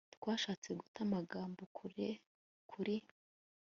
Twashatse guta amagambo kure Kuri